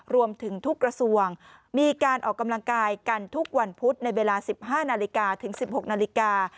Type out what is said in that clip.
รวมถึงทุกกระทรวงมีการออกกำลังกายกันทุกวันพุธในเวลา๑๕นาฬิกาถึง๑๖นาฬิกา